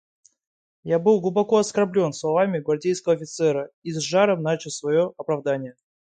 Я был глубоко оскорблен словами гвардейского офицера и с жаром начал свое оправдание.